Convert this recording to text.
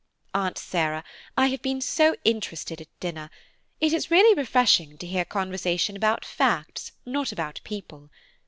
Aunt Sarah, I have been so interested at dinner–it is really refreshing to hear conversation about facts, not about people.